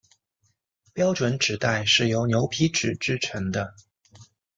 标准纸袋是由牛皮纸制成的。